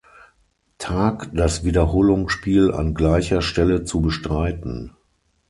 Tag das Wiederholungsspiel an gleicher Stelle zu bestreiten.